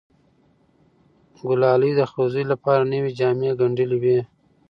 ګلالۍ د خپل زوی لپاره نوې جامې ګنډلې وې.